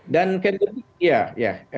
dan kemudian iya